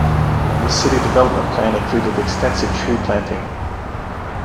The city development plan included extensive tree planting.